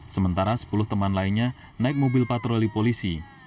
sementara sepuluh teman lainnya naik mobil patroli polisi